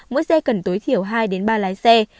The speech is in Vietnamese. mỗi xe cần tối thiểu hai đến ba lái xe